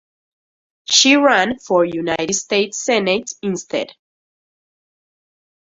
She ran for United States Senate instead.